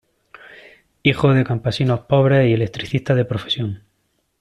Hijo de campesinos pobres y electricista de profesión.